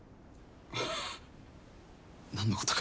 何のことか。